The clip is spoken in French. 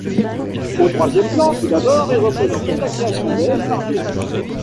Au troisième plan, tout d'abord, est représentée la création d'Ève par Dieu.